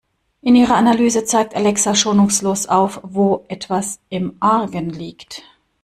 In ihrer Analyse zeigt Alexa schonungslos auf, wo etwas im Argen liegt.